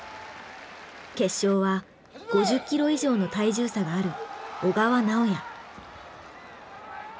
決勝は５０キロ以上の体重差がある小川直也。